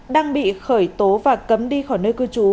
đang bị khởi tố và cấm đi khỏi nơi cư trú